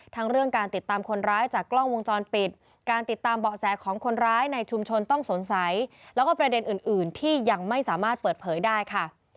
ทั้งเรื่องการติดตามคนร้ายจากกล้องวงจรปิดการติดตามเบาะแสของคนร้ายในชุมชนต้องสงสัยแล้วก็ประเด็นอื่นที่ยังไม่สามารถเปิดเผยได้ค่ะ